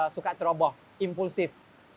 suka ceroboh impulsif